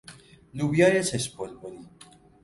لوبیای چشم بلبلی